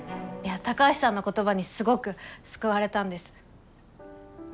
いや高橋さんの言葉にすごく救われたんです。